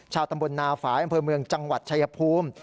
ชาวตำบลนาฝายอำเภอเมืองจังหวัดชายภูมิ